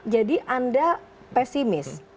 jadi anda pesimis